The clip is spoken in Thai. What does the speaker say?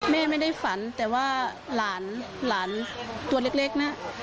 แม่ไม่ได้ฝันแต่ว่าหลานหลานตัวเล็กนะ